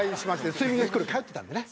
スイミングスクール通ってたんでね。